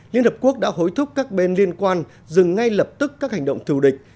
liên hợp quốc đã hối thúc các bên liên quan dừng ngay lập tức các hành động thù địch